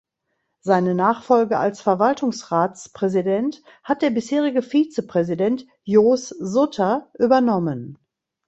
Seine Nachfolge als Verwaltungsratspräsident hat der bisherige Vizepräsident Joos Sutter übernommen.